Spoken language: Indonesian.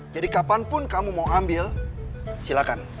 jadi kapanpun kamu mau ambil silakan